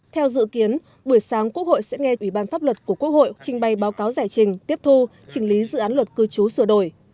theo dự kiến buổi sáng quốc hội sẽ nghe ủy ban pháp luật của quốc hội trình bày báo cáo giải trình tiếp thu trình lý dự án luật cư trú sửa đổi